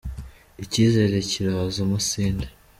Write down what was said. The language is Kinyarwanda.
Icyizere cyiraza amasinde.